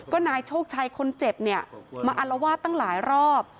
ก็นายโชคชัยคนเจ็บเนี่ยมาอลวาดตั้งหลายรอบ